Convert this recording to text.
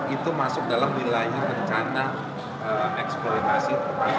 itu masuk dalam wilayah rencana eksploitasi